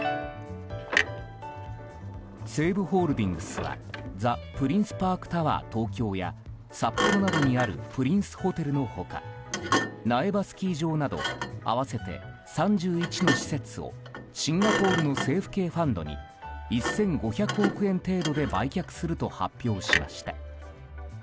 西武ホールディングスはザ・プリンスパークタワー東京や札幌などにあるプリンスホテルの他苗場スキー場など合わせて３１の施設をシンガポールの政府系ファンドに１５００億円程度で売却すると発表しました。